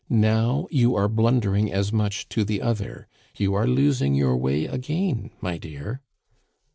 Now you are blundering as much to the other you are losing your way again, my dear."